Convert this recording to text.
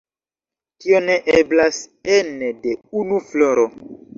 Tio ne eblas ene de unu floro.